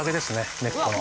根っこの。